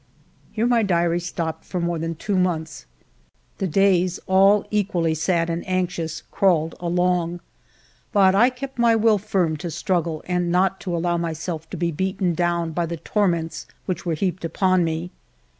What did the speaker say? Here my diary stopped for more than two months. The days, all equally sad and anxious, crawled along, but I kept my will firm to struggle and not to allow myself to be beaten down by the torments which were heaped upon me.